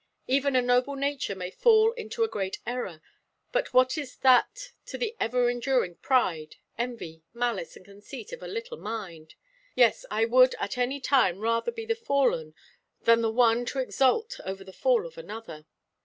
Even a noble nature may fall into a great error; but what is that to the ever enduring pride, envy, malice, and conceit of a little mind? Yes, I would at any time rather be the fallen than the one, so exult over the fall of another.